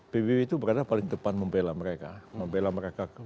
pbb itu berada paling depan membela mereka